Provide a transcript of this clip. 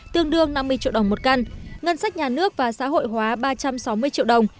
tương đương năm mươi triệu đồng một căn ngân sách nhà nước và xã hội hóa ba trăm sáu mươi triệu đồng